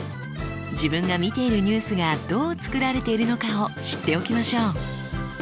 自分が見ているニュースがどう作られているのかを知っておきましょう。